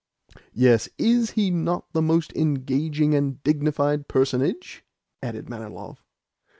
"Yes; IS he not a most engaging and dignified personage?" added Manilov.